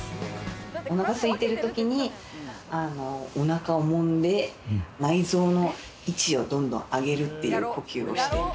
おなかすいてる時に、おなかをもんで内臓の位置をどんどん上げるっていう呼吸をして。